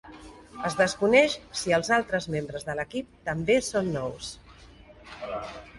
Es desconeix si els altres membres de l'equip també són nous.